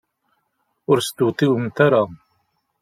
Ur stewtiwemt ara.